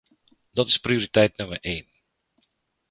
Dat is prioriteit nummer een.